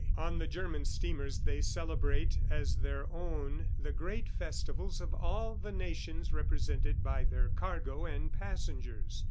On the German steamers they celebrate as their own the great festivals of all the nations represented by their cargo and passengers.